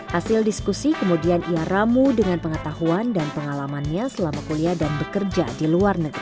hasil diskusi kemudian ia ramu dengan pengetahuan dan pengalamannya selama kuliah dan bekerja di luar negeri